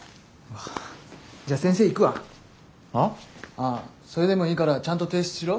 ああそれでもいいからちゃんと提出しろ。